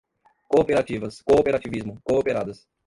Cooperativas, cooperativismo, cooperados